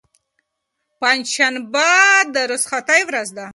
پنجشنبه د رخصتۍ ورځ ده.